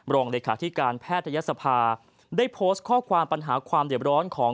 รองเลขาธิการแพทยศภาได้โพสต์ข้อความปัญหาความเด็บร้อนของ